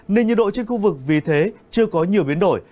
nên nhiệt độ trên khu vực vì thế chưa có nhiều biến đổi